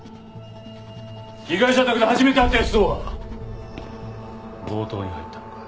被害者宅で初めて会った奴と強盗に入ったのか？